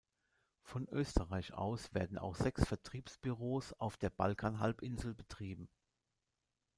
Von Österreich aus werden auch sechs Vertriebsbüros auf der Balkanhalbinsel betrieben.